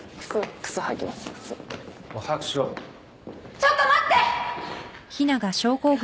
・ちょっと待って！